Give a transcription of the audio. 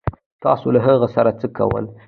تاسو له هغه سره څه کول